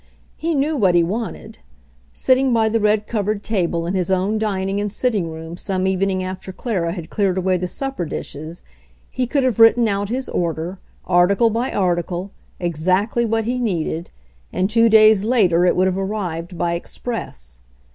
He knew what he wanted; sitting by the red covered table in his own dining and sitting room some evening after Clara had cleared away the supper dishes he could have written out his order, article by article, exactly what he needed, and two days later it would have arrived by express.